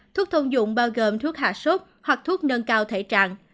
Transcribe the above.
thuốc thông dụng bao gồm thuốc hạ sốt hoặc thuốc nâng cao thể trạng